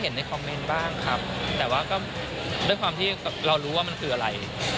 ในคอมเมนต์บ้างครับแต่ว่าก็ด้วยความที่เรารู้ว่ามันคืออะไร